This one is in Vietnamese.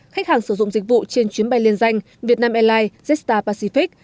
khách hàng sử dụng dịch vụ trên chuyến bay liên danh vietnam airlines z star pacific